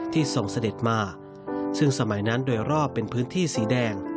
ทรงเสด็จมาซึ่งสมัยนั้นโดยรอบเป็นพื้นที่สีแดง